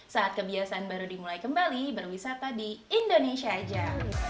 saat kebiasaan baru dimulai kembali berwisata di indonesia aja